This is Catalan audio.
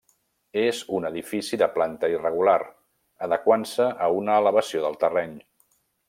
És un edifici de planta irregular, adequant-se a una elevació del terreny.